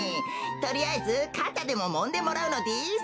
とりあえずかたでももんでもらうのです。